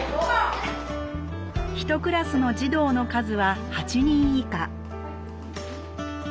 １クラスの児童の数は８人以下。